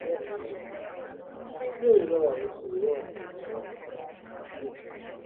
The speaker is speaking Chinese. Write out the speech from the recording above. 曾任职于台北县工务局工程队。